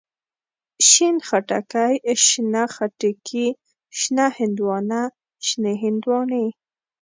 شين خټکی، شنه خټکي، شنه هندواڼه، شنې هندواڼی.